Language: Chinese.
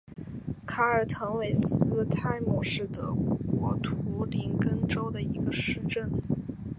卡尔滕韦斯泰姆是德国图林根州的一个市镇。